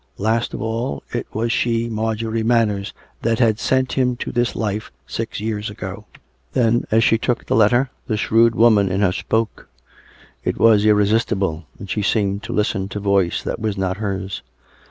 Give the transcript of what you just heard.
Last of all, it was she, Marjorie Manners, that had sent him to this life, six years ago. Then, as she took the letter, the shrewd woman in her spoke. It was irresistible, and she seemed to listen to a voice that was not hers.